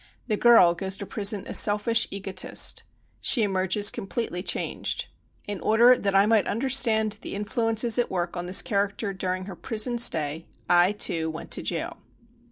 The girl goes to prison a selfish egotist. She emerges completely changed. In order that I might understand the influences at work on this character during her prison stay, I, too, went to jail.